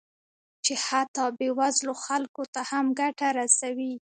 چې حتی بې وزلو خلکو ته هم ګټه رسوي